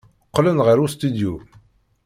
Qqlen ɣer ustidyu.